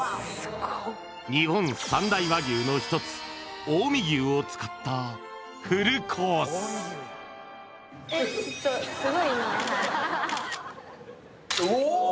日本三大和牛の１つ近江牛を使ったフルコースちょっとすごいねおお！